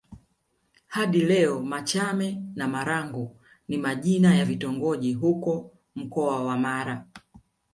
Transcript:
Hadi leo Machame na Marangu ni majina ya vitongoji huko Mkoa wa Mara